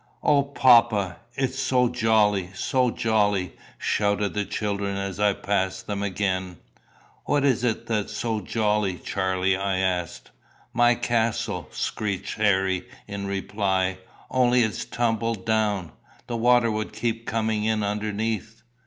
"O, papa, it's so jolly so jolly!" shouted the children as I passed them again. "What is it that's so jolly, Charlie?" I asked. "My castle," screeched Harry in reply; "only it's tumbled down. The water would keep coming in underneath."